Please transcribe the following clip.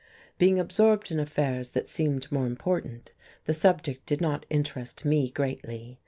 Being absorbed in affairs that seemed more important, the subject did not interest me greatly.